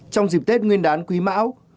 trong dịp tết nguyên đán quý mão